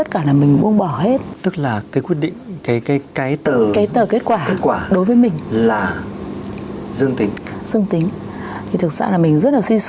thì họ cũng bảo là